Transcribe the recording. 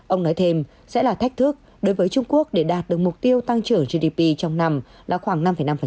ông nói thêm sẽ là thách thức đối với trung quốc để đạt được mục tiêu tăng trưởng gdp trong năm là khoảng năm năm